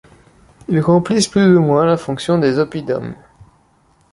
Ils remplissent plus ou moins la fonction des oppidums.